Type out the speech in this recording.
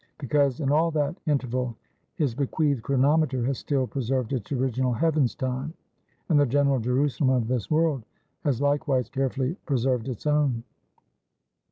Because, in all that interval his bequeathed chronometer has still preserved its original Heaven's time, and the general Jerusalem of this world has likewise carefully preserved its own.